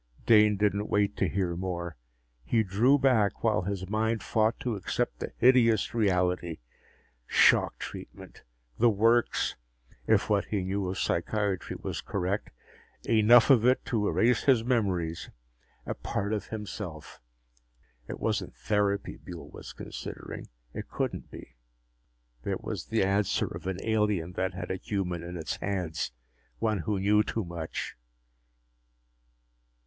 Dane didn't wait to hear more. He drew back, while his mind fought to accept the hideous reality. Shock treatment! The works, if what he knew of psychiatry was correct. Enough of it to erase his memories a part of himself. It wasn't therapy Buehl was considering; it couldn't be. It was the answer of an alien that had a human in its hands one who knew too much!